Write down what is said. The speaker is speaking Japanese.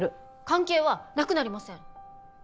関係はなくなりません！